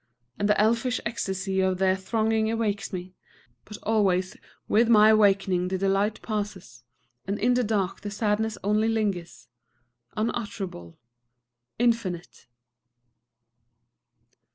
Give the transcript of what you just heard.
And the elfish ecstasy of their thronging awakes me; but always with my wakening the delight passes, and in the dark the sadness only lingers, unutterable, infinite...!